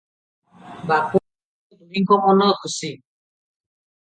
ବାପା ପୁଅ ଦୁହିଁଙ୍କ ମନ ଖୁସି ।